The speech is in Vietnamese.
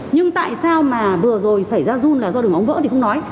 nhưng tại sao mà vừa rồi xảy ra run là do đường ống vỡ thì không nói